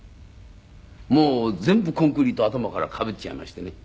もう全部コンクリート頭からかぶっちゃいましてね。